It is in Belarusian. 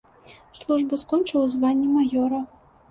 Службу скончыў у званні маёра.